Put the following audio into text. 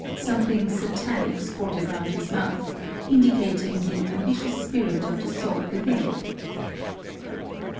Something Satanic sported round his mouth, indicating the ambi tious spirit of the soul within